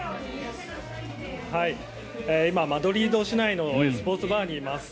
今、マドリード市内のスポーツバーにいます。